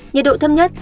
nhiệt độ thâm nhất